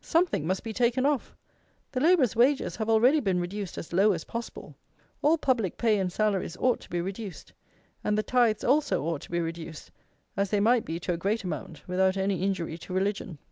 Something must be taken off. The labourers' wages have already been reduced as low as possible. All public pay and salaries ought to be reduced; and the tithes also ought to be reduced, as they might be to a great amount without any injury to religion.